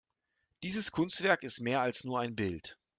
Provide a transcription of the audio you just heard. Dieses Kunstwerk ist mehr als nur ein Bild.